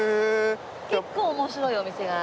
結構面白いお店が。